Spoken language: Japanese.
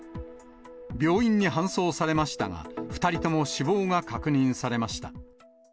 病院に搬送されましたが、２人とも死亡が確認されました。